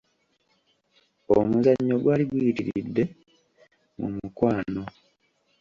Omuzannyo gwali guyitiridde mu mukwano.